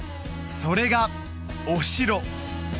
それがお城